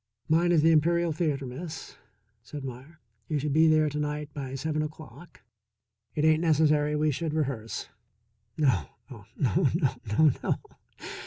"Mine is the Imperial Theatre, Miss," said Meier. "You should be there to night by seven o'clock. It ain't necessary we should rehearse. No, oh, no, no, no, no!